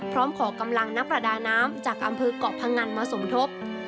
ขอกำลังนักประดาน้ำจากอำเภอกเกาะพังงันมาสมทบ